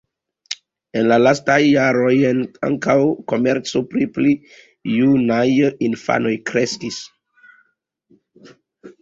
En la lastaj jaroj ankaŭ komerco pri pli junaj infanoj kreskis.